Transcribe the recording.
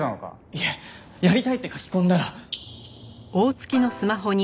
いえ「やりたい」って書き込んだら。